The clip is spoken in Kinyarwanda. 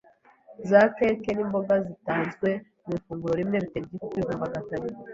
za keke, n’imboga bitanzwe mu ifunguro rimwe, bitera igifu kwivumbagatanya.